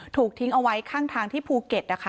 ถูกทิ้งเอาไว้ข้างทางที่ภูเก็ตนะคะ